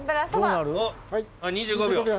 ２５秒。